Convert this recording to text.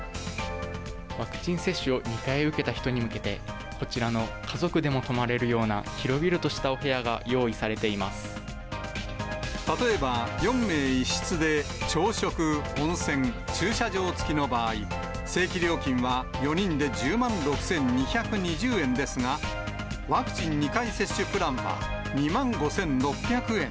ワクチン接種を２回受けた人に向けて、こちらの家族でも泊まれるような、広々としたお部屋が用意されてい例えば４名１室で朝食、温泉、駐車場付きの場合、正規料金は４人で１０万６２２０円ですが、ワクチン２回接種プランは、２万５６００円。